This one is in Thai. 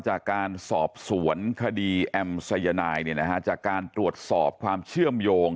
จากการสอบสวนคดีแอมสายนายจากการตรวจสอบความเชื่อมโยง